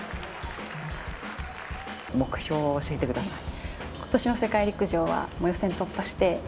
目標を教えてください。